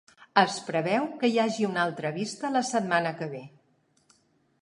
Es preveu que hi hagi una altra vista la setmana que ve